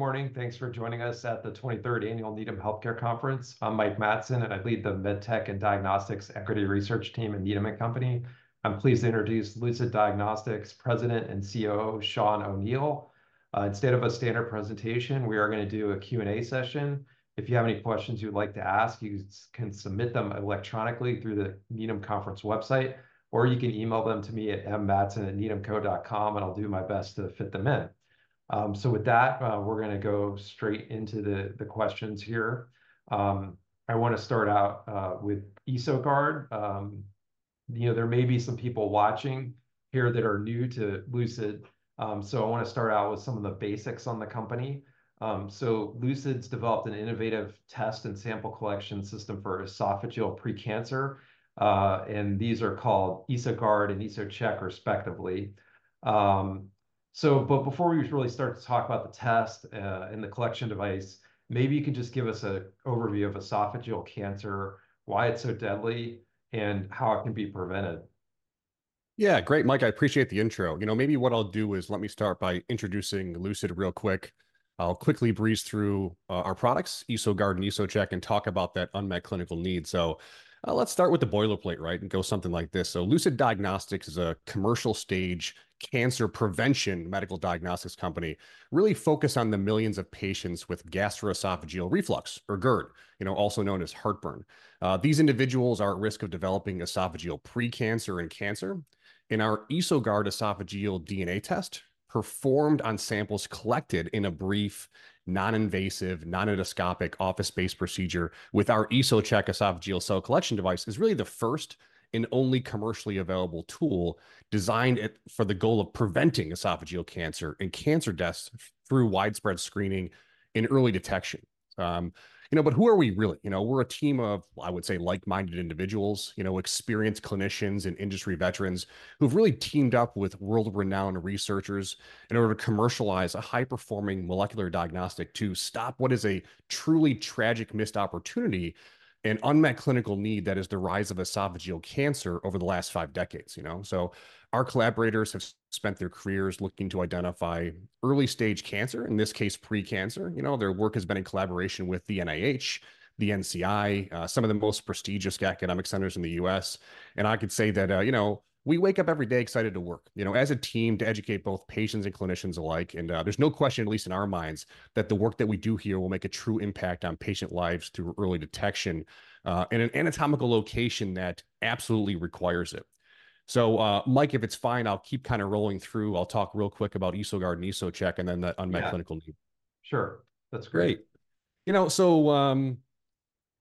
Good morning. Thanks for joining us at the 23rd Annual Needham Healthcare Conference. I'm Mike Matson, and I lead the MedTech and Diagnostics Equity Research Team at Needham & Company. I'm pleased to introduce Lucid Diagnostics President and COO Shaun O’Neil. Instead of a standard presentation, we are gonna do a Q and A session. If you have any questions you'd like to ask, you can submit them electronically through the Needham Conference website, or you can email them to me at mmatson@needhamco.com, and I'll do my best to fit them in. So with that, we're gonna go straight into the questions here. I wanna start out with EsoGuard. You know, there may be some people watching here that are new to Lucid, so I wanna start out with some of the basics on the company. So Lucid's developed an innovative test and sample collection system for esophageal precancer, and these are called EsoGuard and EsoCheck, respectively. So but before we really start to talk about the test and the collection device, maybe you can just give us an overview of esophageal cancer, why it's so deadly, and how it can be prevented. Yeah. Great, Mike. I appreciate the intro. You know, maybe what I'll do is let me start by introducing Lucid real quick. I'll quickly breeze through our products, EsoGuard and EsoCheck, and talk about that unmet clinical need. So let's start with the boilerplate, right, and go something like this. So Lucid Diagnostics is a commercial stage cancer prevention medical diagnostics company, really focused on the millions of patients with gastroesophageal reflux, or GERD, you know, also known as heartburn. These individuals are at risk of developing esophageal precancer and cancer. In our EsoGuard esophageal DNA test, performed on samples collected in a brief, non-invasive, non-endoscopic, office-based procedure with our EsoCheck esophageal cell collection device, is really the first and only commercially available tool designed for the goal of preventing esophageal cancer and cancer deaths through widespread screening and early detection. You know, but who are we really? We're a team of, I would say, like-minded individuals, you know, experienced clinicians and industry veterans who've really teamed up with world-renowned researchers in order to commercialize a high-performing molecular diagnostic to stop what is a truly tragic missed opportunity and unmet clinical need that is the rise of esophageal cancer over the last five decades, you know? So our collaborators have spent their careers looking to identify early stage cancer, in this case, precancer. You know, their work has been in collaboration with the NIH, the NCI, some of the most prestigious academic centers in the U.S. And I could say that, you know, we wake up every day excited to work, you know, as a team to educate both patients and clinicians alike. There's no question, at least in our minds, that the work that we do here will make a true impact on patient lives through early detection in an anatomical location that absolutely requires it. So, Mike, if it's fine, I'll keep kind of rolling through. I'll talk real quick about EsoGuard and EsoCheck and then the unmet clinical need. Sure. That's great. You know, so,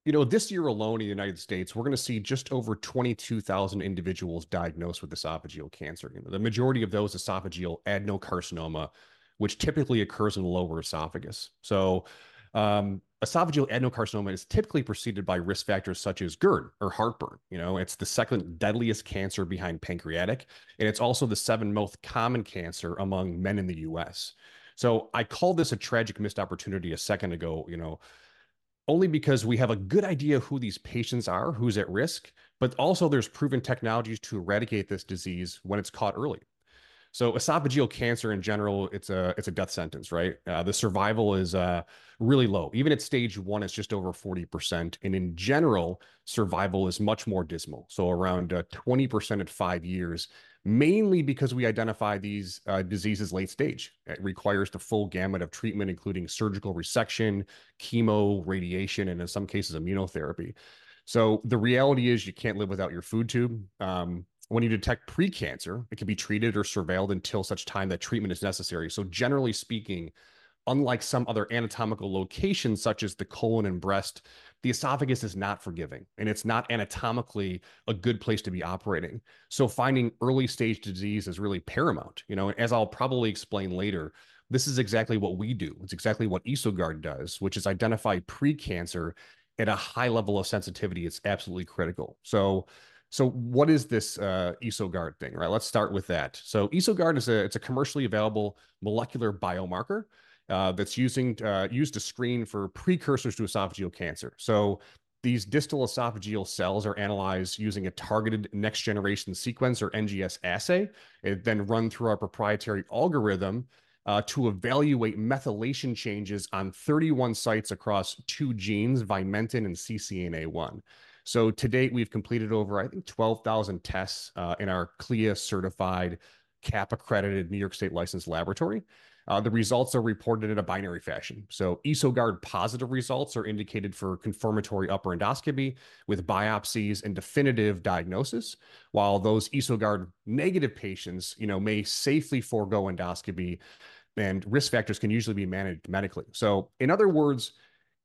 you know, this year alone in the United States, we're gonna see just over 22,000 individuals diagnosed with esophageal cancer. You know, the majority of those esophageal adenocarcinoma, which typically occurs in the lower esophagus. So, esophageal adenocarcinoma is typically preceded by risk factors such as GERD or heartburn. You know, it's the second deadliest cancer behind pancreatic, and it's also the seventh most common cancer among men in the U.S. So I called this a tragic missed opportunity a second ago, you know, only because we have a good idea who these patients are, who's at risk, but also there's proven technologies to eradicate this disease when it's caught early. So, esophageal cancer, in general, it's a death sentence, right? The survival is really low. Even at stage one, it's just over 40%. In general, survival is much more dismal. So, around 20% at 5 years, mainly because we identify these diseases late stage. It requires the full gamut of treatment, including surgical resection, chemo, radiation, and in some cases, immunotherapy. So, the reality is you can't live without your food tube. When you detect precancer, it can be treated or surveilled until such time that treatment is necessary. So, generally speaking, unlike some other anatomical locations such as the colon and breast, the esophagus is not forgiving, and it's not anatomically a good place to be operating. So, finding early stage disease is really paramount. You know, and as I'll probably explain later, this is exactly what we do. It's exactly what EsoGuard does, which is identify precancer at a high level of sensitivity. It's absolutely critical. So, what is this EsoGuard thing, right? Let's start with that. So, EsoGuard is a commercially available molecular biomarker that's used to screen for precursors to esophageal cancer. So, these distal esophageal cells are analyzed using a targeted next generation sequence or NGS assay. It then runs through our proprietary algorithm to evaluate methylation changes on 31 sites across two genes, Vimentin and CCNA1. So, to date, we've completed over, I think, 12,000 tests in our CLIA-certified, CAP-accredited New York State licensed laboratory. The results are reported in a binary fashion. So, EsoGuard positive results are indicated for confirmatory upper endoscopy with biopsies and definitive diagnosis, while those EsoGuard negative patients, you know, may safely forgo endoscopy and risk factors can usually be managed medically. So, in other words,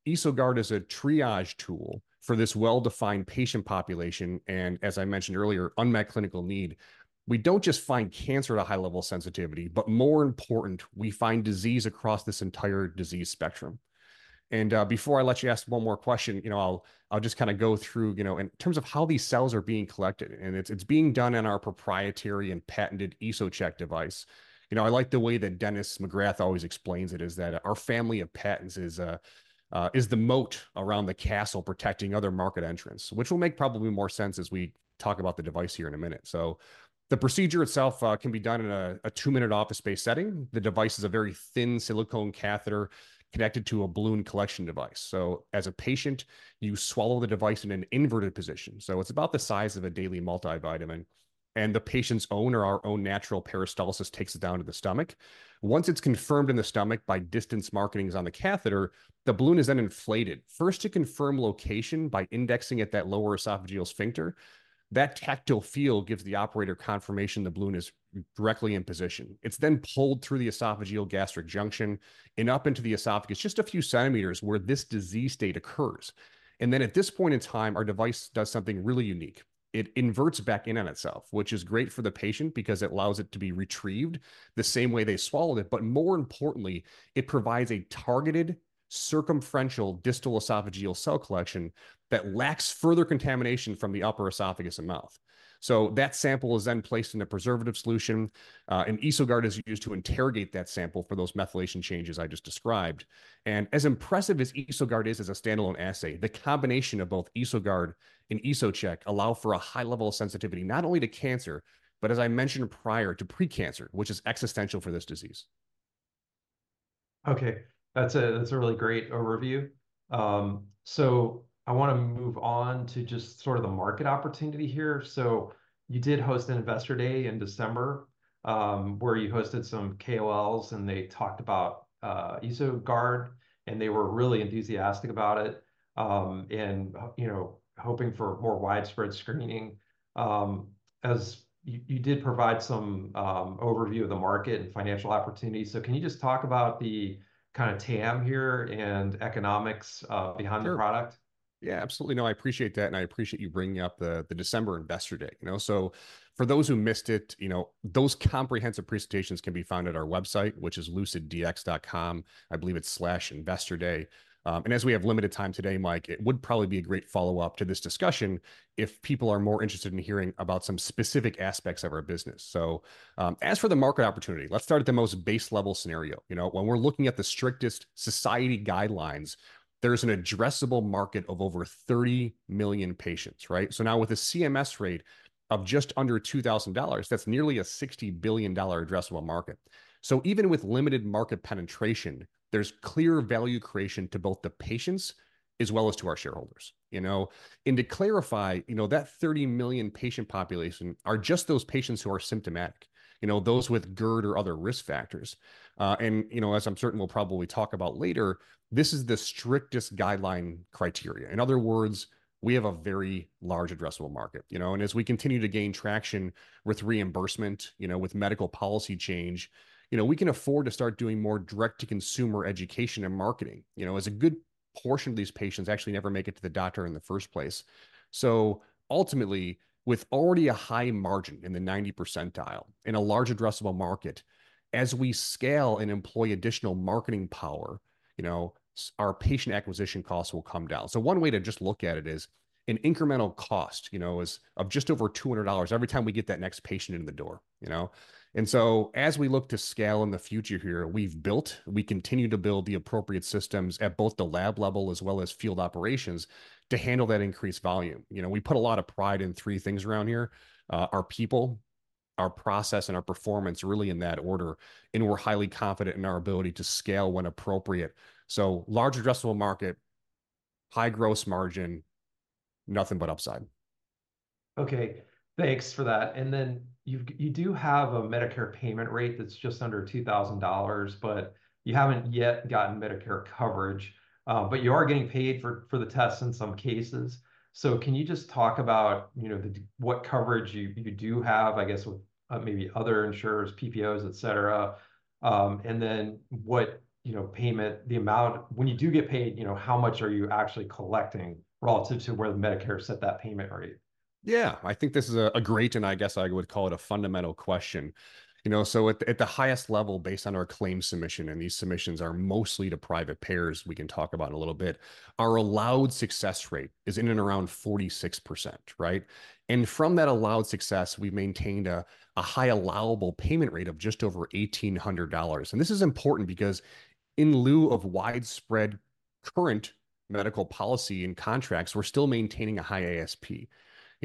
EsoGuard is a triage tool for this well-defined patient population and, as I mentioned earlier, unmet clinical need. We don't just find cancer at a high level of sensitivity, but more important, we find disease across this entire disease spectrum. Before I let you ask one more question, you know, I'll just kind of go through, you know, in terms of how these cells are being collected. It's being done in our proprietary and patented EsoCheck device. You know, I like the way that Dennis McGrath always explains it, is that our family of patents is the moat around the castle protecting other market entrance, which will make probably more sense as we talk about the device here in a minute. The procedure itself can be done in a 2-minute office-based setting. The device is a very thin silicone catheter connected to a balloon collection device. As a patient, you swallow the device in an inverted position. It's about the size of a daily multivitamin. The patient's own or our own natural peristalsis takes it down to the stomach. Once it's confirmed in the stomach by distance markings on the catheter, the balloon is then inflated first to confirm location by indexing at that lower esophageal sphincter. That tactile feel gives the operator confirmation the balloon is directly in position. It's then pulled through the esophageal-gastric junction and up into the esophagus, just a few centimeters where this disease state occurs. At this point in time, our device does something really unique. It inverts back in on itself, which is great for the patient because it allows it to be retrieved the same way they swallowed it. But more importantly, it provides a targeted circumferential distal esophageal cell collection that lacks further contamination from the upper esophagus and mouth. So, that sample is then placed in a preservative solution, and EsoGuard is used to interrogate that sample for those methylation changes I just described. And as impressive as EsoGuard is as a standalone assay, the combination of both EsoGuard and EsoCheck allow for a high level of sensitivity not only to cancer, but as I mentioned prior, to precancer, which is existential for this disease. Okay. That's a really great overview. So, I wanna move on to just sort of the market opportunity here. So, you did host an Investor Day in December, where you hosted some KOLs, and they talked about EsoGuard, and they were really enthusiastic about it and, you know, hoping for more widespread screening. As you did provide some overview of the market and financial opportunities. So, can you just talk about the kind of TAM here and economics behind the product? Yeah, absolutely. No, I appreciate that, and I appreciate you bringing up the December Investor Day, you know? So, for those who missed it, you know, those comprehensive presentations can be found at our website, which is LucidDX.com. I believe it's slash investor day. And as we have limited time today, Mike, it would probably be a great follow-up to this discussion if people are more interested in hearing about some specific aspects of our business. So, as for the market opportunity, let's start at the most base level scenario. You know, when we're looking at the strictest society guidelines, there's an addressable market of over 30 million patients, right? So, now with a CMS rate of just under $2,000, that's nearly a $60 billion addressable market. So, even with limited market penetration, there's clear value creation to both the patients as well as to our shareholders, you know? And to clarify, you know, that 30 million patient population are just those patients who are symptomatic, you know, those with GERD or other risk factors. And, you know, as I'm certain we'll probably talk about later, this is the strictest guideline criteria. In other words, we have a very large addressable market, you know? And as we continue to gain traction with reimbursement, you know, with medical policy change, you know, we can afford to start doing more direct-to-consumer education and marketing, you know, as a good portion of these patients actually never make it to the doctor in the first place. So, ultimately, with already a high margin in the 90th percentile in a large addressable market, as we scale and employ additional marketing power, you know, our patient acquisition costs will come down. So, one way to just look at it is an incremental cost, you know, of just over $200 every time we get that next patient in the door, you know? And so, as we look to scale in the future here, we've built, we continue to build the appropriate systems at both the lab level as well as field operations to handle that increased volume, you know? We put a lot of pride in three things around here: our people, our process, and our performance, really in that order. And we're highly confident in our ability to scale when appropriate. So, large addressable market, high gross margin, nothing but upside. Okay. Thanks for that. And then, you do have a Medicare payment rate that's just under $2,000, but you haven't yet gotten Medicare coverage. But you are getting paid for the tests in some cases. So, can you just talk about, you know, what coverage you do have, I guess, with maybe other insurers, PPOs, etc.? And then, what, you know, payment, the amount, when you do get paid, you know, how much are you actually collecting relative to where the Medicare set that payment rate? Yeah, I think this is a great, and I guess I would call it a fundamental question, you know? So, at the highest level, based on our claim submission, and these submissions are mostly to private payers, we can talk about in a little bit, our allowed success rate is in and around 46%, right? And from that allowed success, we've maintained a high allowable payment rate of just over $1,800. And this is important because, in lieu of widespread current medical policy and contracts, we're still maintaining a high ASP,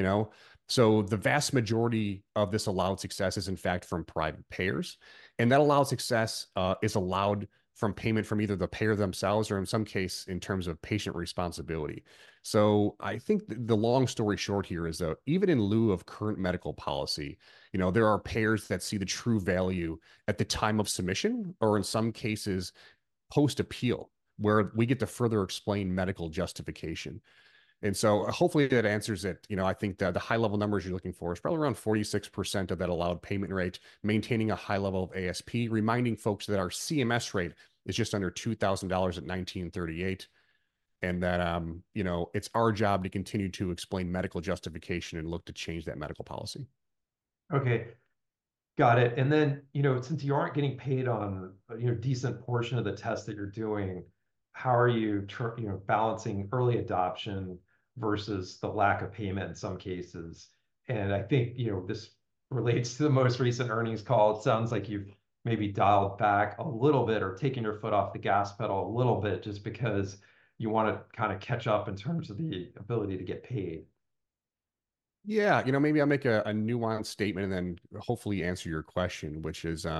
you know? So, the vast majority of this allowed success is, in fact, from private payers. And that allowed success is allowed from payment from either the payer themselves or, in some cases, in terms of patient responsibility. So, I think the long story short here is that, even in lieu of current medical policy, you know, there are payers that see the true value at the time of submission or, in some cases, post-appeal, where we get to further explain medical justification. And so, hopefully, that answers it, you know? I think that the high level numbers you're looking for is probably around 46% of that allowed payment rate, maintaining a high level of ASP, reminding folks that our CMS rate is just under $2,000 at 1,938. And that, you know, it's our job to continue to explain medical justification and look to change that medical policy. Okay. Got it. And then, you know, since you aren't getting paid on a decent portion of the tests that you're doing, how are you balancing early adoption versus the lack of payment in some cases? And I think, you know, this relates to the most recent earnings call. It sounds like you've maybe dialed back a little bit or taken your foot off the gas pedal a little bit just because you want to kind of catch up in terms of the ability to get paid. Yeah, you know, maybe I'll make a nuanced statement and then hopefully answer your question, which is, you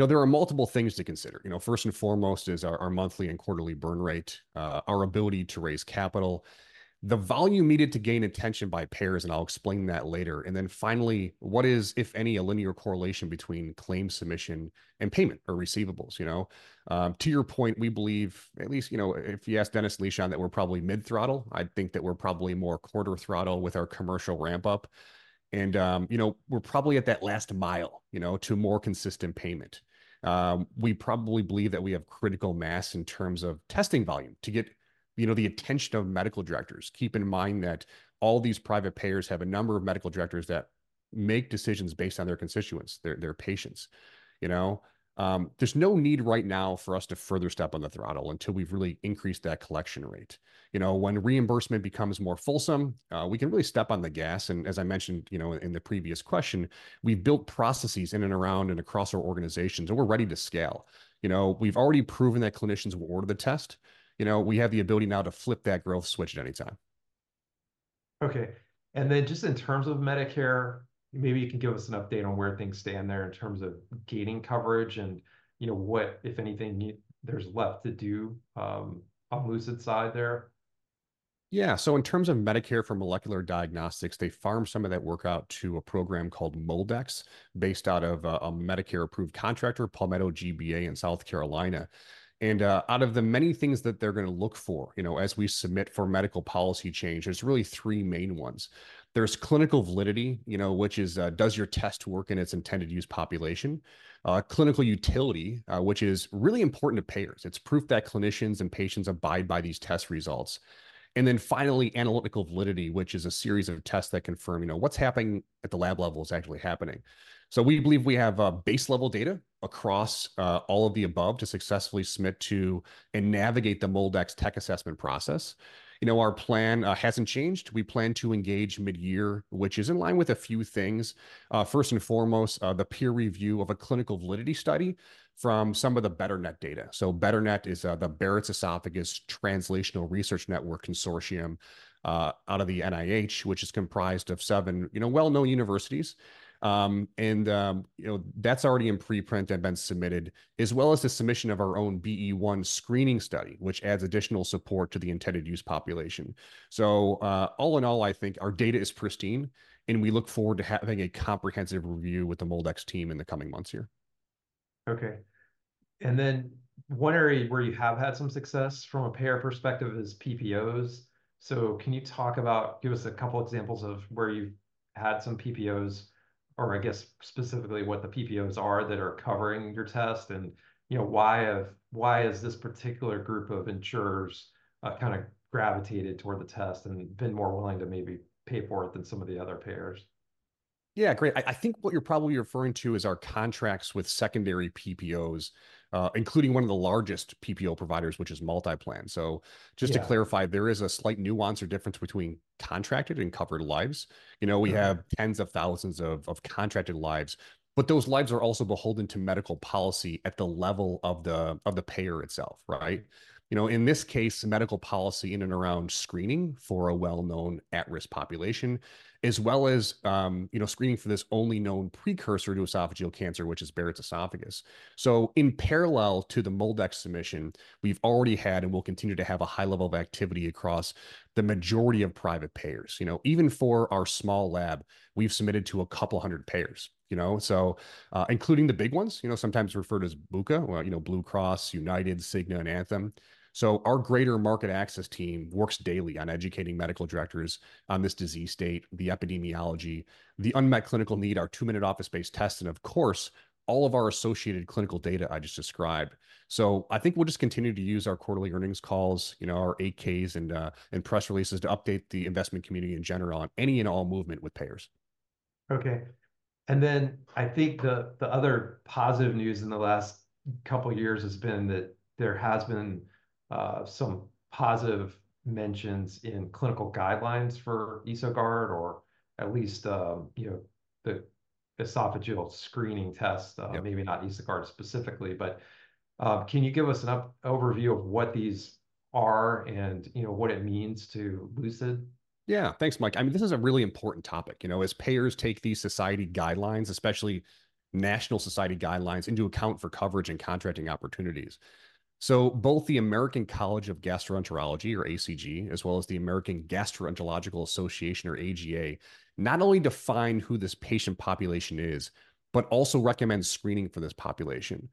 know, there are multiple things to consider. You know, first and foremost is our monthly and quarterly burn rate, our ability to raise capital, the volume needed to gain attention by payers, and I'll explain that later. And then, finally, what is, if any, a linear correlation between claim submission and payment or receivables, you know? To your point, we believe, at least, you know, if you ask Dennis and Lishan that we're probably mid-throttle, I think that we're probably more quarter-throttle with our commercial ramp-up. And, you know, we're probably at that last mile, you know, to more consistent payment. We probably believe that we have critical mass in terms of testing volume to get, you know, the attention of medical directors. Keep in mind that all these private payers have a number of medical directors that make decisions based on their constituents, their patients, you know? There's no need right now for us to further step on the throttle until we've really increased that collection rate. You know, when reimbursement becomes more fulsome, we can really step on the gas. As I mentioned, you know, in the previous question, we've built processes in and around and across our organizations, and we're ready to scale, you know? We've already proven that clinicians will order the test. You know, we have the ability now to flip that growth switch at any time. Okay. And then, just in terms of Medicare, maybe you can give us an update on where things stand there in terms of gaining coverage and, you know, what, if anything, there's left to do on Lucid's side there? Yeah, so, in terms of Medicare for molecular diagnostics, they farm some of that work out to a program called MolDX based out of a Medicare-approved contractor, Palmetto GBA in South Carolina. And out of the many things that they're going to look for, you know, as we submit for medical policy change, there's really three main ones. There's clinical validity, you know, which is, does your test work in its intended-use population? Clinical utility, which is really important to payers. It's proof that clinicians and patients abide by these test results. And then, finally, analytical validity, which is a series of tests that confirm, you know, what's happening at the lab level is actually happening. So, we believe we have base level data across all of the above to successfully submit to and navigate the MolDX tech assessment process. You know, our plan hasn't changed. We plan to engage mid-year, which is in line with a few things. First and foremost, the peer review of a clinical validity study from some of the BETRNet data. So, BETRNet is the Barrett's Esophagus Translational Research Network Consortium out of the NIH, which is comprised of seven, you know, well-known universities. And, you know, that's already in preprint and been submitted, as well as the submission of our own BE-1 screening study, which adds additional support to the intended-use population. So, all in all, I think our data is pristine, and we look forward to having a comprehensive review with the MolDX team in the coming months here. Okay. And then, one area where you have had some success from a payer perspective is PPOs. So, can you talk about, give us a couple examples of where you've had some PPOs or, I guess, specifically what the PPOs are that are covering your test and, you know, why has this particular group of insurers kind of gravitated toward the test and been more willing to maybe pay for it than some of the other payers? Yeah, great. I think what you're probably referring to is our contracts with secondary PPOs, including one of the largest PPO providers, which is MultiPlan. So, just to clarify, there is a slight nuance or difference between contracted and covered lives. You know, we have tens of thousands of contracted lives. But those lives are also beholden to medical policy at the level of the payer itself, right? You know, in this case, medical policy in and around screening for a well-known at-risk population, as well as, you know, screening for this only known precursor to esophageal cancer, which is Barrett's esophagus. So, in parallel to the MolDX submission, we've already had and will continue to have a high level of activity across the majority of private payers, you know? Even for our small lab, we've submitted to a couple hundred payers, you know? So, including the big ones, you know, sometimes referred as BUCA, you know, Blue Cross, United, Cigna, and Anthem. So, our greater market access team works daily on educating medical directors on this disease state, the epidemiology, the unmet clinical need, our two-minute office-based tests, and, of course, all of our associated clinical data I just described. So, I think we'll just continue to use our quarterly earnings calls, you know, our 8-Ks and press releases to update the investment community in general on any and all movement with payers. Okay. And then, I think the other positive news in the last couple years has been that there has been some positive mentions in clinical guidelines for EsoGuard or at least, you know, the esophageal screening test, maybe not EsoGuard specifically. But can you give us an overview of what these are and, you know, what it means to Lucid? Yeah, thanks, Mike. I mean, this is a really important topic, you know, as payers take these society guidelines, especially national society guidelines, into account for coverage and contracting opportunities. So, both the American College of Gastroenterology or ACG, as well as the American Gastroenterological Association or AGA, not only define who this patient population is, but also recommend screening for this population.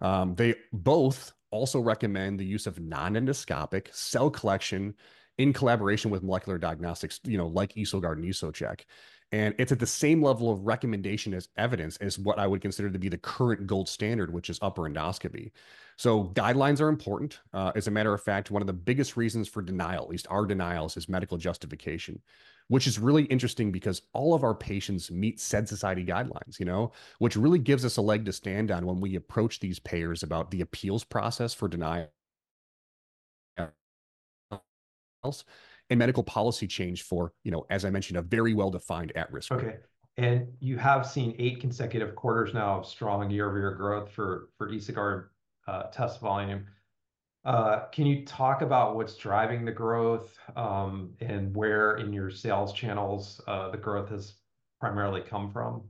They both also recommend the use of non-endoscopic cell collection in collaboration with molecular diagnostics, you know, like EsoGuard and EsoCheck. And it's at the same level of recommendation as evidence as what I would consider to be the current gold standard, which is upper endoscopy. So, guidelines are important. As a matter of fact, one of the biggest reasons for denial, at least our denials, is medical justification, which is really interesting because all of our patients meet said society guidelines, you know? Which really gives us a leg to stand on when we approach these payers about the appeals process for denials and medical policy change for, you know, as I mentioned, a very well-defined at-risk group. Okay. And you have seen eight consecutive quarters now of strong year-over-year growth for EsoGuard test volume. Can you talk about what's driving the growth and where in your sales channels the growth has primarily come from?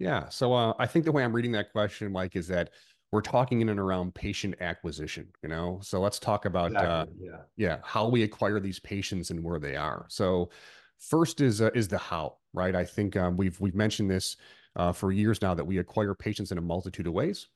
Yeah, so, I think the way I'm reading that question, Mike, is that we're talking in and around patient acquisition, you know? So, let's talk about, yeah, how we acquire these patients and where they are. So, first is the how, right? I think we've mentioned this for years now that we acquire patients in a multitude of ways.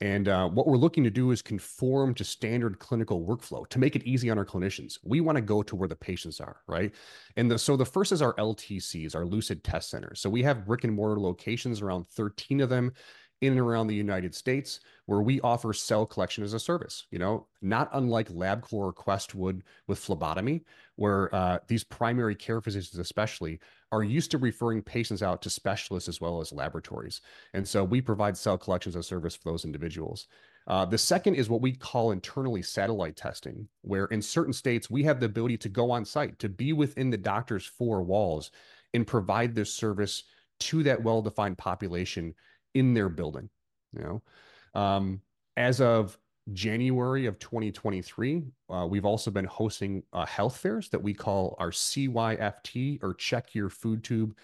And what we're looking to do is conform to standard clinical workflow to make it easy on our clinicians. We want to go to where the patients are, right? And so, the first is our LTCs, our Lucid Test Centers. So, we have brick-and-mortar locations, around 13 of them in and around the United States, where we offer cell collection as a service, you know? Not unlike LabCorp or Quest would with phlebotomy, where these primary care physicians, especially, are used to referring patients out to specialists as well as laboratories. And so, we provide cell collections as a service for those individuals. The second is what we call internally satellite testing, where in certain states, we have the ability to go on-site, to be within the doctor's four walls and provide this service to that well-defined population in their building, you know? As of January of 2023, we've also been hosting health fairs that we call our CYFT or Check Your Food Tube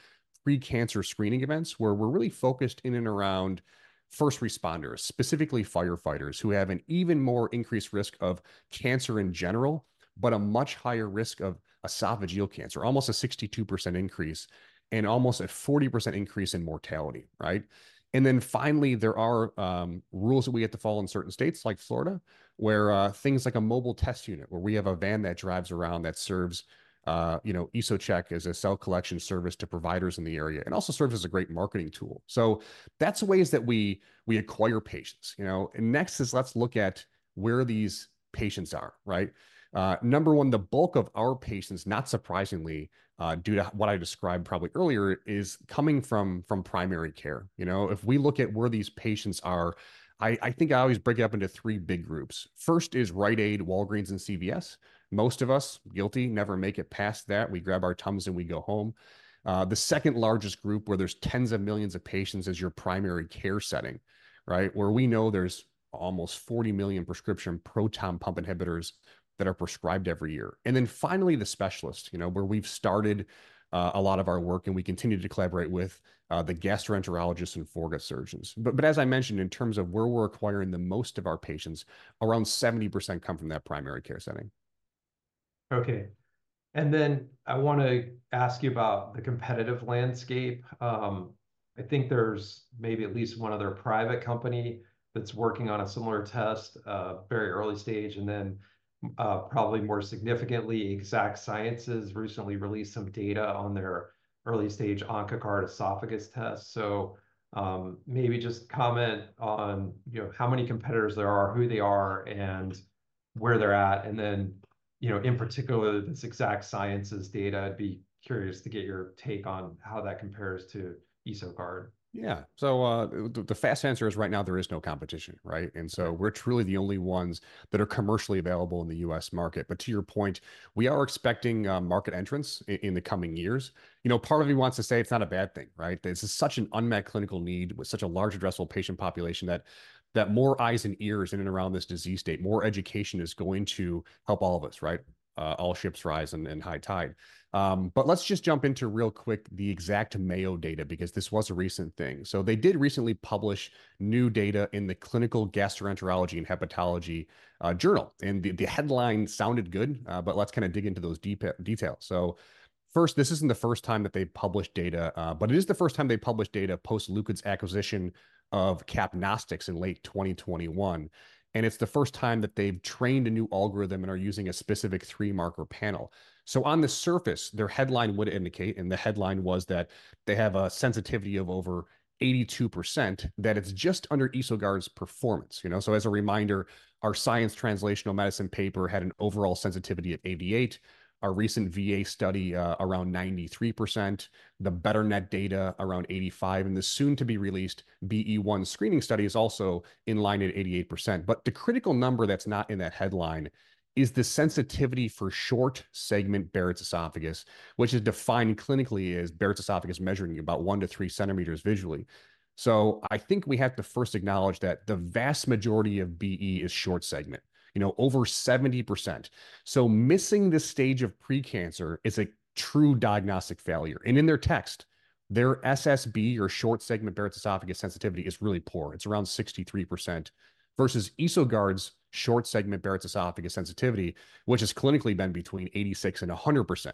free cancer screening events, where we're really focused in and around first responders, specifically firefighters, who have an even more increased risk of cancer in general, but a much higher risk of esophageal cancer, almost a 62% increase and almost a 40% increase in mortality, right? And then, finally, there are rules that we have to follow in certain states like Florida, where things like a mobile test unit, where we have a van that drives around that serves, you know, EsoCheck as a cell collection service to providers in the area and also serves as a great marketing tool. So, that's ways that we acquire patients, you know? And next is, let's look at where these patients are, right? Number one, the bulk of our patients, not surprisingly, due to what I described probably earlier, is coming from primary care, you know? If we look at where these patients are, I think I always break it up into three big groups. First is Rite Aid, Walgreens, and CVS. Most of us, guilty, never make it past that. We grab our Tums and we go home. The second largest group, where there's tens of millions of patients, is your primary care setting, right? Where we know there's almost 40 million prescription proton pump inhibitors that are prescribed every year. And then, finally, the specialists, you know, where we've started a lot of our work and we continue to collaborate with the gastroenterologists and foregut surgeons. But as I mentioned, in terms of where we're acquiring the most of our patients, around 70% come from that primary care setting. Okay. And then, I want to ask you about the competitive landscape. I think there's maybe at least one other private company that's working on a similar test, very early stage. And then, probably more significantly, Exact Sciences recently released some data on their early-stage Oncoguard Esophagus test. So, maybe just comment on, you know, how many competitors there are, who they are, and where they're at. And then, you know, in particular, this Exact Sciences data, I'd be curious to get your take on how that compares to EsoGuard. Yeah, so, the fast answer is right now, there is no competition, right? And so, we're truly the only ones that are commercially available in the U.S. market. But to your point, we are expecting market entrance in the coming years. You know, part of me wants to say it's not a bad thing, right? This is such an unmet clinical need with such a large addressable patient population that more eyes and ears in and around this disease state, more education is going to help all of us, right? All ships rise in high tide. But let's just jump into real quick the Exact Mayo data, because this was a recent thing. So, they did recently publish new data in the Clinical Gastroenterology and Hepatology Journal. And the headline sounded good, but let's kind of dig into those details. So, first, this isn't the first time that they've published data, but it is the first time they published data post-Lucid's acquisition of Capnostics in late 2021. And it's the first time that they've trained a new algorithm and are using a specific three-marker panel. So, on the surface, their headline would indicate, and the headline was that they have a sensitivity of over 82%, that it's just under EsoGuard's performance, you know? So, as a reminder, our Science Translational Medicine paper had an overall sensitivity of 88, our recent VA study around 93%, the BETRNet data around 85, and the soon-to-be-released BE-1 screening study is also in line at 88%. But the critical number that's not in that headline is the sensitivity for short-segment Barrett's esophagus, which is defined clinically as Barrett's esophagus measuring about one to three centimeters visually. So, I think we have to first acknowledge that the vast majority of BE is short-segment, you know, over 70%. So, missing this stage of precancer is a true diagnostic failure. And in their text, their SSB or short-segment Barrett's esophagus sensitivity is really poor. It's around 63% versus EsoGuard's short-segment Barrett's esophagus sensitivity, which has clinically been between 86% and 100%.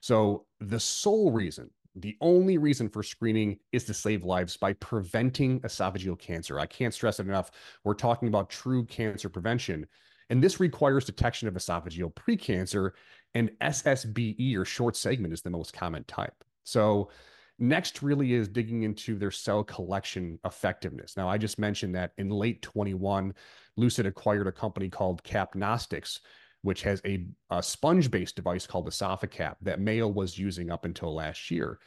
So, the sole reason, the only reason for screening is to save lives by preventing esophageal cancer. I can't stress it enough. We're talking about true cancer prevention. And this requires detection of esophageal precancer, and SSBE or short-segment is the most common type. So, next really is digging into their cell collection effectiveness. Now, I just mentioned that in late 2021, Lucid acquired a company called Capnostics, which has a sponge-based device called EsophaCap that Mayo was using up until last year.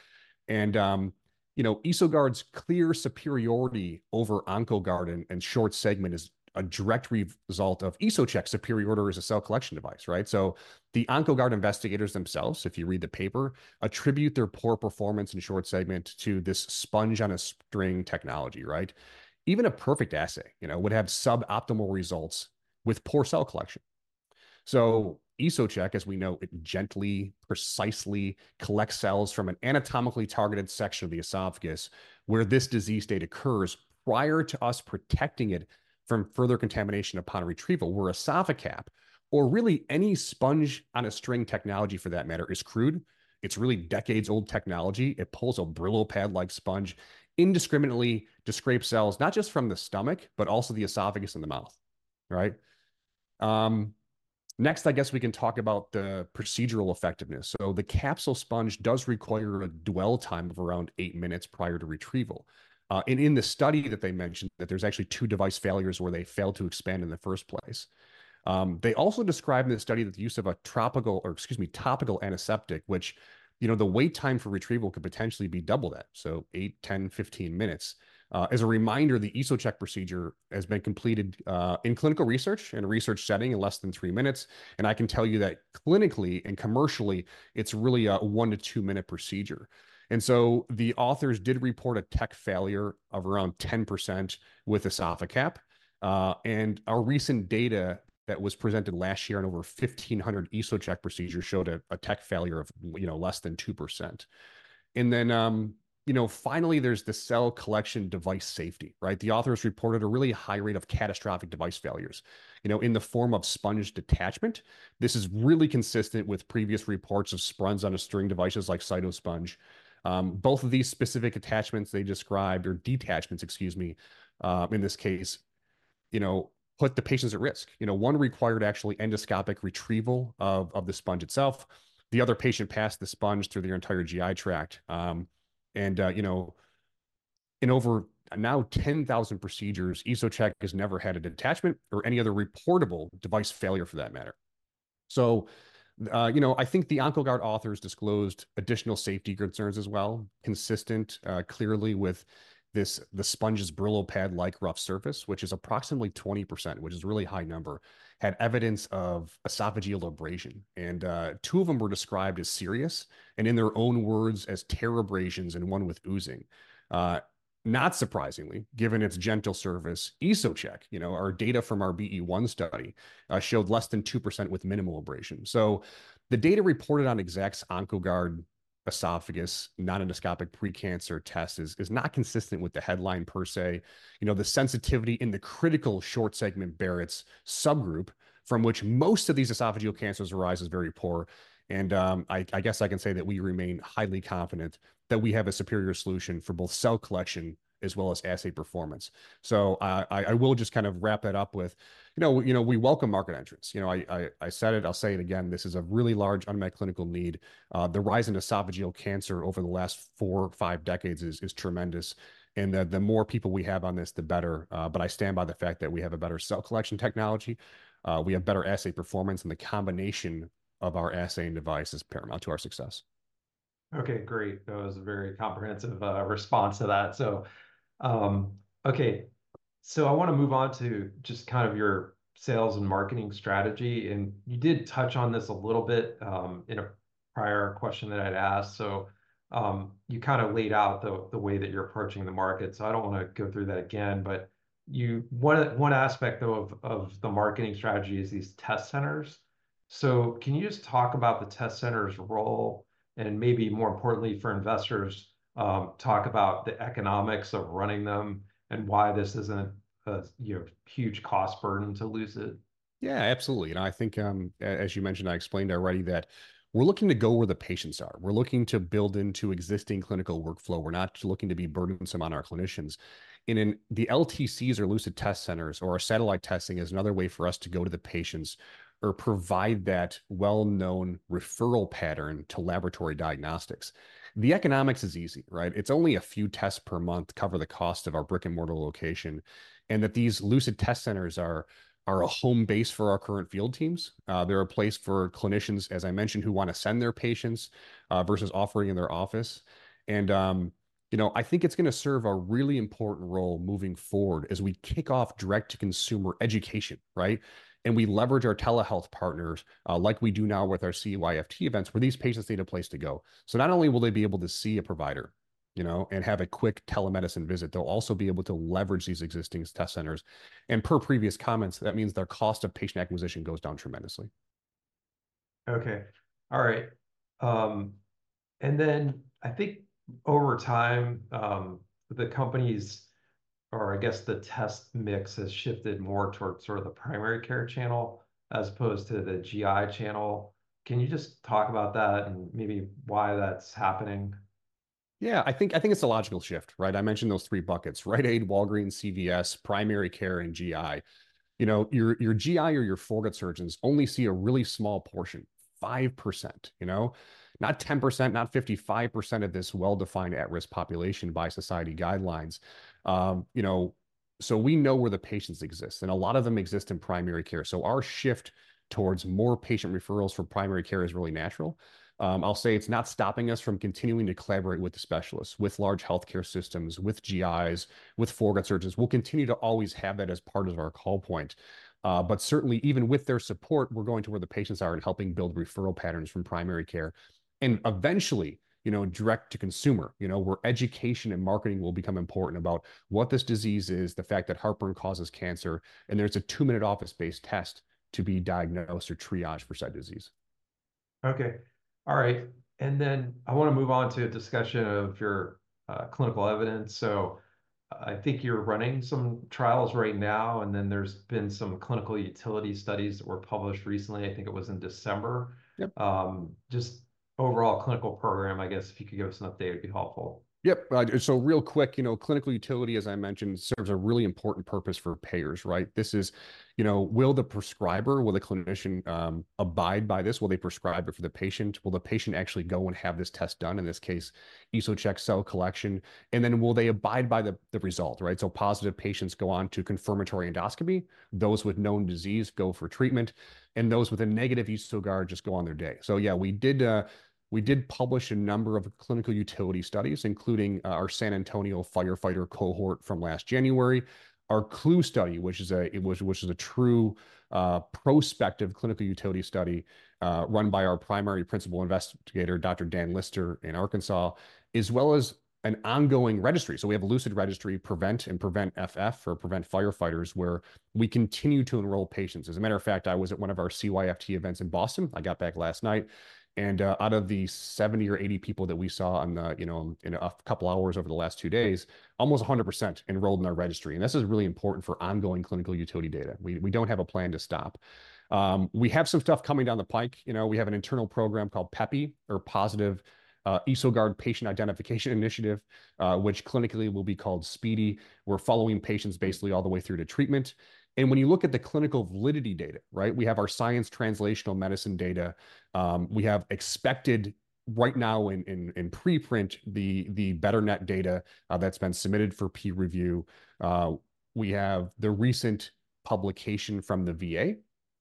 You know, EsoGuard's clear superiority over Oncoguard and short-segment is a direct result of EsoCheck's superiority as a cell collection device, right? The Oncoguard investigators themselves, if you read the paper, attribute their poor performance in short-segment to this sponge-on-a-string technology, right? Even a perfect assay, you know, would have suboptimal results with poor cell collection. EsoCheck, as we know, it gently, precisely collects cells from an anatomically targeted section of the esophagus where this disease state occurs prior to us protecting it from further contamination upon retrieval, where EsophaCap or really any sponge-on-a-string technology for that matter is crude. It's really decades-old technology. It pulls a Brillo pad-like sponge indiscriminately to scrape cells not just from the stomach, but also the esophagus and the mouth, right? Next, I guess we can talk about the procedural effectiveness. The capsule sponge does require a dwell time of around eight minutes prior to retrieval. In the study that they mentioned, there's actually two device failures where they failed to expand in the first place. They also describe in the study that the use of a tropical or, excuse me, topical antiseptic, which, you know, the wait time for retrieval could potentially be double that, so eight, 10, 15 minutes. As a reminder, the EsoCheck procedure has been completed in clinical research and a research setting in less than 3 minutes. I can tell you that clinically and commercially, it's really a one to two-minute procedure. The authors did report a tech failure of around 10% with EsophaCap. Our recent data that was presented last year on over 1,500 EsoCheck procedures showed a tech failure of, you know, less than 2%. And then, you know, finally, there's the cell collection device safety, right? The authors reported a really high rate of catastrophic device failures, you know, in the form of sponge detachment. This is really consistent with previous reports of sponge-on-a-string devices like Cytosponge. Both of these specific attachments they described or detachments, excuse me, in this case, you know, put the patients at risk. You know, one required actually endoscopic retrieval of the sponge itself. The other patient passed the sponge through their entire GI tract. And, you know, in over now 10,000 procedures, EsoCheck has never had a detachment or any other reportable device failure for that matter. So, you know, I think the Oncoguard authors disclosed additional safety concerns as well, consistent clearly with this the sponge's Brillo pad-like rough surface, which is approximately 20%, which is a really high number, had evidence of esophageal abrasion. And two of them were described as serious and in their own words as "tear abrasions" and one with oozing. Not surprisingly, given its gentle surface, EsoCheck, you know, our data from our BE-1 study showed less than 2% with minimal abrasions. So, the data reported on Exact's Oncoguard esophagus non-endoscopic precancer test is not consistent with the headline per se, you know, the sensitivity in the critical short-segment Barrett's subgroup from which most of these esophageal cancers arise is very poor. And I guess I can say that we remain highly confident that we have a superior solution for both cell collection as well as assay performance. So, I will just kind of wrap it up with, you know, you know, we welcome market entrance. You know, I said it, I'll say it again. This is a really large unmet clinical need. The rise in esophageal cancer over the last four or five decades is tremendous. And the more people we have on this, the better. But I stand by the fact that we have a better cell collection technology. We have better assay performance. And the combination of our assay and device is paramount to our success. Okay, great. That was a very comprehensive response to that. So, okay. So, I want to move on to just kind of your sales and marketing strategy. And you did touch on this a little bit in a prior question that I'd asked. So, you kind of laid out the way that you're approaching the market. So, I don't want to go through that again. But one aspect, though, of the marketing strategy is these test centers. So, can you just talk about the test center's role and maybe more importantly for investors, talk about the economics of running them and why this isn't a, you know, huge cost burden to Lucid? Yeah, absolutely. I think, as you mentioned, I explained already that we're looking to go where the patients are. We're looking to build into existing clinical workflow. We're not looking to be burdensome on our clinicians. The LTCs or Lucid test centers or our satellite testing is another way for us to go to the patients or provide that well-known referral pattern to laboratory diagnostics. The economics is easy, right? It's only a few tests per month cover the cost of our brick-and-mortar location. These Lucid test centers are a home base for our current field teams. They're a place for clinicians, as I mentioned, who want to send their patients versus offering in their office. You know, I think it's going to serve a really important role moving forward as we kick off direct-to-consumer education, right? We leverage our telehealth partners like we do now with our CYFT events where these patients need a place to go. So, not only will they be able to see a provider, you know, and have a quick telemedicine visit, they'll also be able to leverage these existing test centers. Per previous comments, that means their cost of patient acquisition goes down tremendously. Okay. Alright. And then, I think over time, the companies or, I guess, the test mix has shifted more towards sort of the primary care channel as opposed to the GI channel. Can you just talk about that and maybe why that's happening? Yeah, I think it's a logical shift, right? I mentioned those three buckets: Rite Aid, Walgreens, CVS, primary care, and GI. You know, your GI or your foregut surgeons only see a really small portion, 5%, you know? Not 10%, not 55% of this well-defined at-risk population by society guidelines. You know, so, we know where the patients exist. And a lot of them exist in primary care. So, our shift towards more patient referrals for primary care is really natural. I'll say it's not stopping us from continuing to collaborate with the specialists, with large healthcare systems, with GIs, with foregut surgeons. We'll continue to always have that as part of our call point. But certainly, even with their support, we're going to where the patients are and helping build referral patterns from primary care. Eventually, you know, direct-to-consumer, you know, where education and marketing will become important about what this disease is, the fact that heartburn causes cancer, and there's a two-minute office-based test to be diagnosed or triaged for said disease. Okay. Alright. And then, I want to move on to a discussion of your clinical evidence. So, I think you're running some trials right now. And then, there's been some clinical utility studies that were published recently. I think it was in December. Just overall clinical program, I guess, if you could give us an update, it'd be helpful. Yep. So, real quick, you know, clinical utility, as I mentioned, serves a really important purpose for payers, right? This is, you know, will the prescriber, will the clinician abide by this? Will they prescribe it for the patient? Will the patient actually go and have this test done, in this case, EsoCheck cell collection? And then, will they abide by the result, right? So, positive patients go on to confirmatory endoscopy. Those with known disease go for treatment. And those with a negative EsoGuard just go on their day. So, yeah, we did publish a number of clinical utility studies, including our San Antonio Firefighter Cohort from last January. Our CLUE study, which is a true prospective clinical utility study run by our primary principal investigator, Dr. Dan Lyster, in Arkansas, as well as an ongoing registry. So, we have a Lucid registry, Prevent and PreventFF for Prevent Firefighters, where we continue to enroll patients. As a matter of fact, I was at one of our CYFT events in Boston. I got back last night. And out of the 70 or 80 people that we saw on the, you know, in a couple hours over the last two days, almost 100% enrolled in our registry. And this is really important for ongoing clinical utility data. We don't have a plan to stop. We have some stuff coming down the pike, you know. We have an internal program called PEPI or Positive EsoGuard Patient Identification Initiative, which clinically will be called SPEDI. We're following patients basically all the way through to treatment. And when you look at the clinical validity data, right? We have our Science Translational Medicine data. We have expected right now in preprint the BETRNet data that's been submitted for peer review. We have the recent publication from the VA,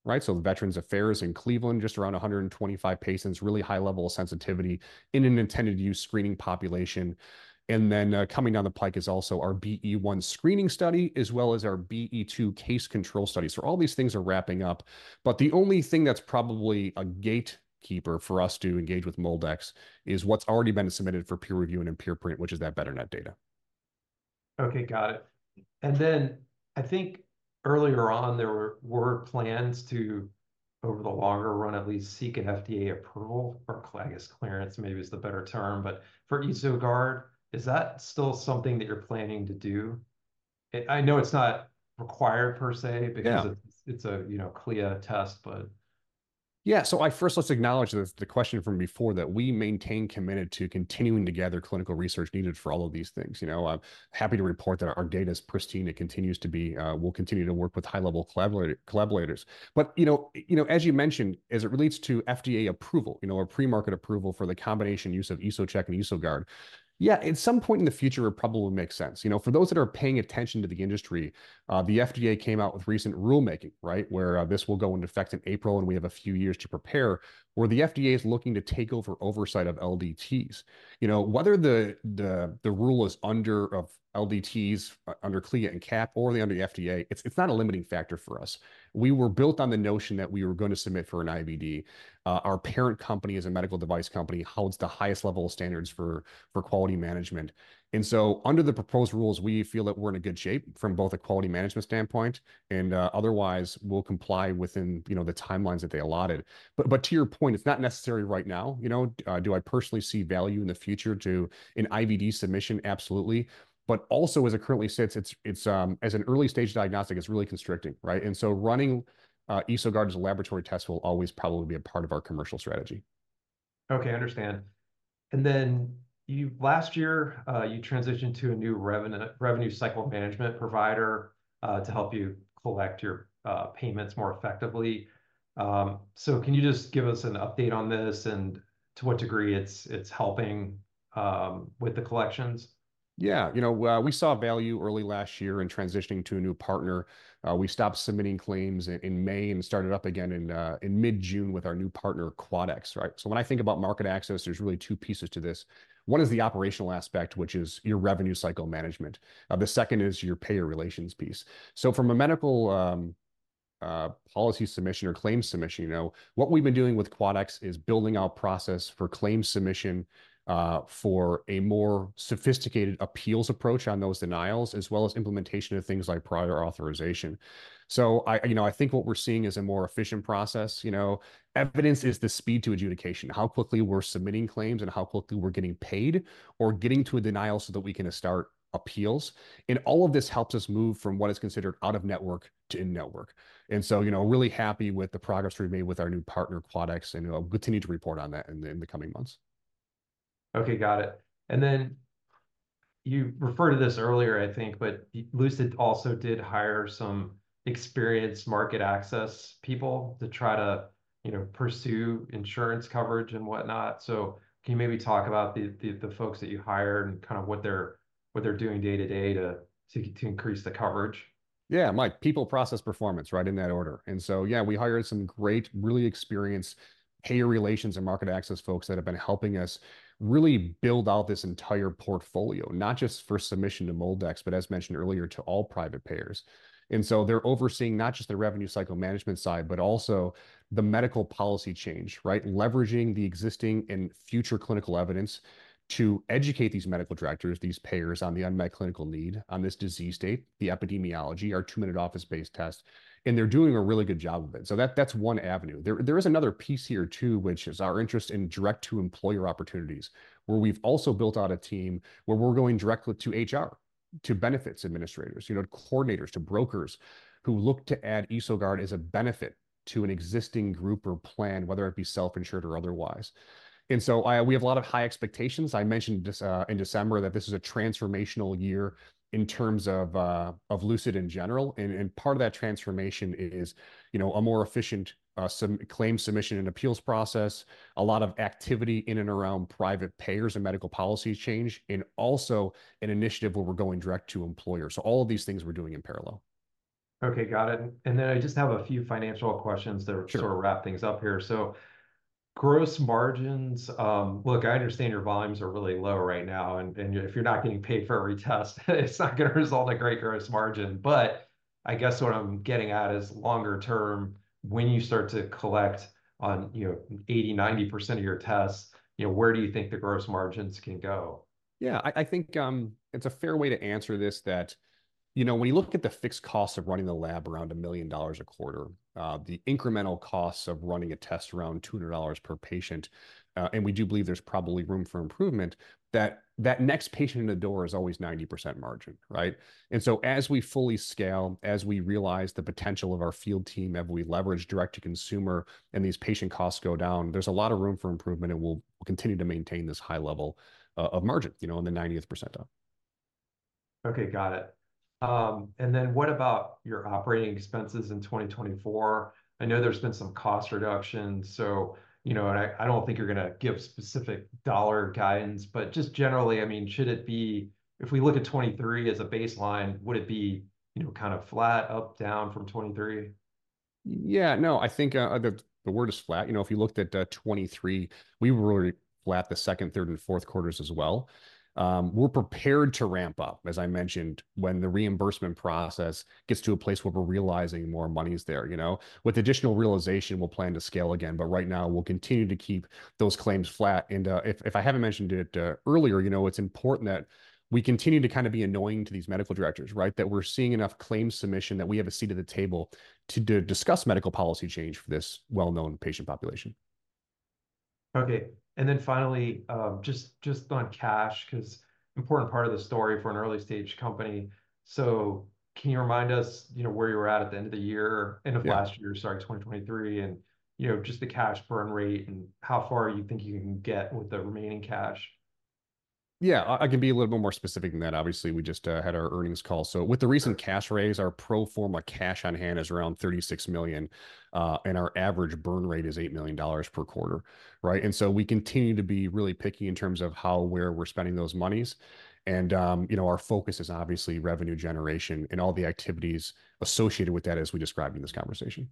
right? So, Veterans Affairs in Cleveland, just around 125 patients, really high-level sensitivity in an intended-use screening population. And then, coming down the pike is also our BE-1 screening study, as well as our BE-2 case control study. So, all these things are wrapping up. But the only thing that's probably a gatekeeper for us to engage with MolDX is what's already been submitted for peer review and in preprint, which is that BETRNet data. Okay, got it. And then, I think earlier on, there were plans to, over the longer run, at least seek an FDA approval or de novo clearance, maybe is the better term. But for EsoGuard, is that still something that you're planning to do? I know it's not required per se because it's a, you know, CLIA test. First, let's acknowledge the question from before that we maintain committed to continuing to gather clinical research needed for all of these things, you know. I'm happy to report that our data is pristine. It continues to be. We'll continue to work with high-level collaborators. But, you know, as you mentioned, as it relates to FDA approval, you know, or premarket approval for the combination use of EsoCheck and EsoGuard, yeah, at some point in the future, it probably will make sense, you know. For those that are paying attention to the industry, the FDA came out with recent rulemaking, right? Where this will go into effect in April and we have a few years to prepare, where the FDA is looking to take over oversight of LDTs. You know, whether the rule is oversight of LDTs under CLIA and CAP or they're under the FDA, it's not a limiting factor for us. We were built on the notion that we were going to submit for an IVD. Our parent company is a medical device company. Holds the highest level of standards for quality management. Under the proposed rules, we feel that we're in a good shape from both a quality management standpoint. And otherwise, we'll comply within, you know, the timelines that they allotted. But to your point, it's not necessary right now, you know. Do I personally see value in the future to an IVD submission? Absolutely. But also, as it currently sits, it's as an early-stage diagnostic, it's really constricting, right? And so, running EsoGuard as a laboratory test will always probably be a part of our commercial strategy. Okay, understand. And then, last year, you transitioned to a new revenue cycle management provider to help you collect your payments more effectively. So, can you just give us an update on this and to what degree it's helping with the collections? Yeah, we saw value early last year in transitioning to a new partner. We stopped submitting claims in May and started up again in mid-June with our new partner, Quadax, right? So, when I think about market access, there's really two pieces to this. One is the operational aspect, which is your revenue cycle management. The second is your payer relations piece. So, from a medical policy submission or claim submission, you know, what we've been doing with Quadax is building out a process for claim submission for a more sophisticated appeals approach on those denials, as well as implementation of things like prior authorization. So, you know, I think what we're seeing is a more efficient process, you know. Evidence is the speed to adjudication, how quickly we're submitting claims and how quickly we're getting paid or getting to a denial so that we can start appeals. All of this helps us move from what is considered out of network to in network. So, you know, really happy with the progress we've made with our new partner, Quadax, and we'll continue to report on that in the coming months. Got it. And then, you referred to this earlier, I think, but Lucid also did hire some experienced market access people to try to, you know, pursue insurance coverage and whatnot. So, can you maybe talk about the folks that you hired and kind of what they're doing day-to-day to increase the coverage? Yeah, Mike. People, process, performance, right? In that order. And so, yeah, we hired some great, really experienced payer relations and market access folks that have been helping us really build out this entire portfolio, not just for submission to MolDX, but as mentioned earlier, to all private payers. And so, they're overseeing not just the revenue cycle management side, but also the medical policy change, right? Leveraging the existing and future clinical evidence to educate these medical directors, these payers on the unmet clinical need on this disease state, the epidemiology, our two-minute office-based test. And they're doing a really good job of it. So, that's one avenue. There is another piece here too, which is our interest in direct-to-employer opportunities, where we've also built out a team where we're going directly to HR, to benefits administrators, you know, to coordinators, to brokers who look to add EsoGuard as a benefit to an existing group or plan, whether it be self-insured or otherwise. And so, we have a lot of high expectations. I mentioned in December that this is a transformational year in terms of Lucid in general. And part of that transformation is, you know, a more efficient claim submission and appeals process, a lot of activity in and around private payers and medical policy change, and also an initiative where we're going direct-to-employer. So, all of these things we're doing in parallel. Okay, got it. And then, I just have a few financial questions that sort of wrap things up here. I understand your volumes are really low right now. And if you're not getting paid for every test, it's not going to result in a great gross margin. But I guess what I'm getting at is longer term, when you start to collect on, you know, 80% to 90% of your tests, you know, where do you think the gross margins can go? Yeah, I think it's a fair way to answer this that, you know, when you look at the fixed costs of running the lab around $1 million a quarter, the incremental costs of running a test around $200 per patient, and we do believe there's probably room for improvement, that that next patient in the door is always 90% margin, right? And so, as we fully scale, as we realize the potential of our field team, as we leverage direct-to-consumer and these patient costs go down, there's a lot of room for improvement and we'll continue to maintain this high level of margin, you know, in the 90th percentile. Okay, got it. And then, what about your operating expenses in 2024? I know there's been some cost reductions. So, you know, and I don't think you're going to give specific dollar guidance, but just generally, I mean, should it be, if we look at 2023 as a baseline, would it be, you know, kind of flat, up, down from 2023? Yeah, no, I think the word is flat. You know, if you looked at 2023, we were really flat the second, third, and fourth quarters as well. We're prepared to ramp up, as I mentioned, when the reimbursement process gets to a place where we're realizing more money is there, you know. With additional realization, we'll plan to scale again. But right now, we'll continue to keep those claims flat. And if I haven't mentioned it earlier, you know, it's important that we continue to kind of be annoying to these medical directors, right? That we're seeing enough claim submission that we have a seat at the table to discuss medical policy change for this well-known patient population. Okay. And then, finally, just on cash, because it's an important part of the story for an early-stage company. So, can you remind us, you know, where you were at at the end of the year, end of last year, sorry, 2023, and, you know, just the cash burn rate and how far you think you can get with the remaining cash? Yeah, I can be a little bit more specific than that. Obviously, we just had our earnings call. So, with the recent cash raise, our pro forma cash on hand is around $36 million. And our average burn rate is $8 million per quarter, right? And so, we continue to be really picky in terms of how, where we're spending those money. And, you know, our focus is obviously revenue generation and all the activities associated with that, as we described in this conversation.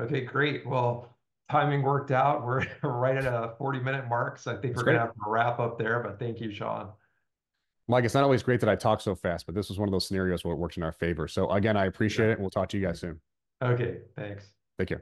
Okay, great. Well, timing worked out. We're right at a 40-minute mark. So, I think we're going to have to wrap up there. But thank you, Shaun. Mike, it's not always great that I talk so fast, but this was one of those scenarios where it worked in our favor. So, again, I appreciate it. We'll talk to you guys soon. Okay, thanks. Take care.